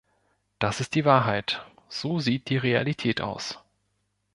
Das ist die Wahrheit, so sieht die Realität aus.